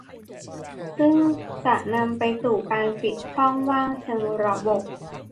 ซึ่งจะนำไปสู่การปิดช่องว่างเชิงระบบ